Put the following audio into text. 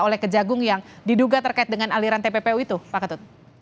oleh kejagung yang diduga terkait dengan aliran tppu itu pak ketut